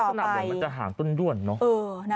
แต่ลักษณะบอกว่ามันจะหางตุ้นด้วนเนอะ